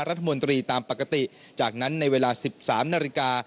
รัฐมนตรีตามปกติจากนั้นในเวลา๑๓นาฬิกา